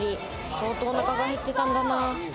相当おなかが減ってたんだな。